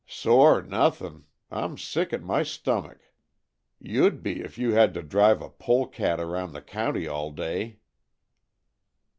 "Sore nothin'! I'm sick at my stummik. You'd be if you had to drive a pole cat around the county all day."